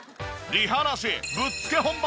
リハなしぶっつけ本番！